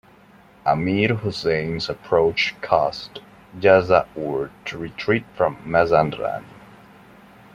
Amir Husain's approach caused Yasa'ur to retreat from Mazandaran.